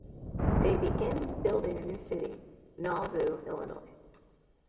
They begin building a new city, Nauvoo, Illinois.